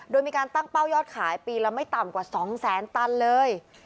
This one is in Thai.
โดยมีการตั้งเป้ายอดขายปีละไม่ต่ำกว่า๒แสนตันเลย